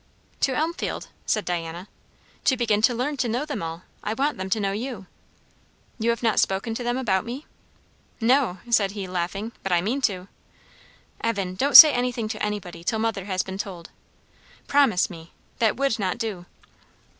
"To Elmfield?" said Diana. "To begin to learn to know them all. I want them to know you." "You have not spoken to them about me?" "No," said he, laughing; "but I mean to." "Evan, don't say anything to anybody till mother has been told. Promise me! That would not do."